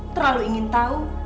terlalu ingin tahu